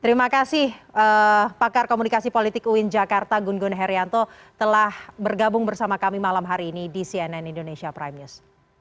terima kasih pakar komunikasi politik uin jakarta gun gun herianto telah bergabung bersama kami malam hari ini di cnn indonesia prime news